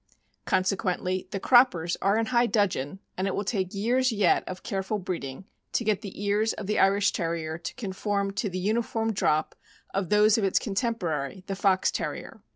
Consequently, the croppers are in high dudgeon, and it will take years yet of careful breeding to get the ears of the Irish Terrier to conform to the uniform drop of those of its contemporary, the Fox Terrier.